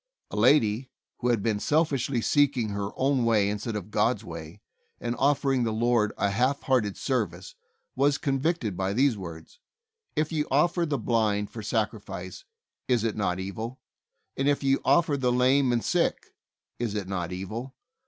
A lady, who had been selfishly seeking her own way instead of God's way, and of fering the Lord a half hearted service, was convicted by these words: "If ye offer the blind for sacrifice, is it not evil? and if ye offer the lame and sick, is it not evil?